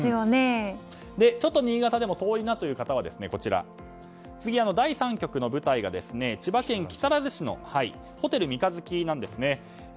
ちょっと新潟は遠いなという方は次、第３局の舞台が千葉県木更津市のホテル三日月なんですね。